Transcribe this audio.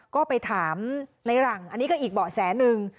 ก็ไปถามในหลังอันนี้ก็อีกเบาะแสหนึ่ง